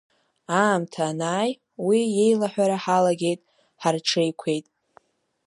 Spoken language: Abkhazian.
Аамҭа анааи уи иеилаҳәара ҳалагеит, дҳарҽеиқәеит.